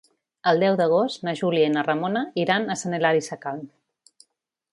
El deu d'agost na Júlia i na Ramona iran a Sant Hilari Sacalm.